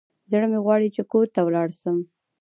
زړه مي غواړي چي کور ته ولاړ سم.